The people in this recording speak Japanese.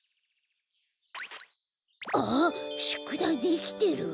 あっしゅくだいできてる。